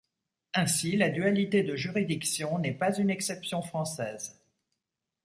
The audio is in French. Ainsi, la dualité de juridiction n’est pas une exception française.